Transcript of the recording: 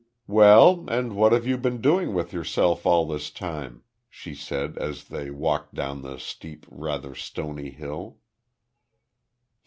"Well, and what have you been doing with yourself all this time?" she said as they walked down the steep, rather stony hill.